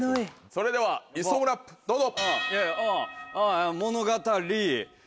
それではイソムラップどうぞ。